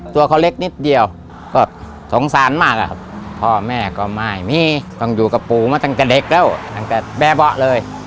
ตัวเขาเล็กนิดเดียวก็สงสารมากอะครับพ่อแม่ก็ไม่มีต้องอยู่กับปู่มาตั้งแต่เด็กแล้วตั้งแต่แม่เบาะเลย